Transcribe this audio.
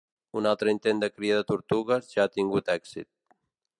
Un altre intent de cria de tortugues ja ha tingut èxit.